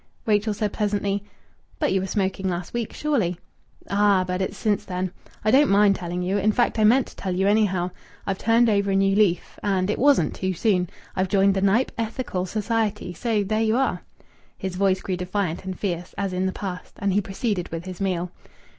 Rachel said, pleasantly, "But you were smoking last week, surely?" "Ah! But it's since then. I don't mind telling you. In fact, I meant to tell you, anyhow. I've turned over a new leaf. And it wasn't too soon. I've joined the Knype Ethical Society. So there you are!" His voice grew defiant and fierce, as in the past, and he proceeded with his meal.